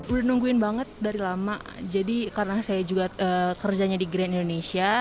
udah nungguin banget dari lama jadi karena saya juga kerjanya di grand indonesia